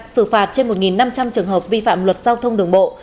xử phạt trên một năm trăm linh trường hợp vi phạm luật giao thông đường bộ